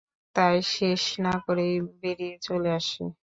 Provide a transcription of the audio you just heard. তাই শেষ না করেই বেড়িয়ে চলে আসি।